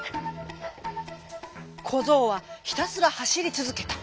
こぞうはひたすらはしりつづけた。